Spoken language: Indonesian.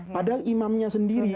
padahal imamnya sendiri